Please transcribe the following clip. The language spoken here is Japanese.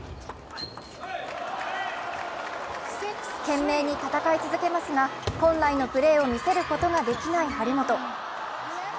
懸命に戦い続けますが本来のプレーを見せることができない張本。